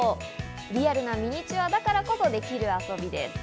リアルなミニチュアだからこそできる遊びです。